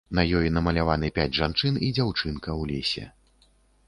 На ёй намаляваны пяць жанчын і дзяўчынка ў лесе.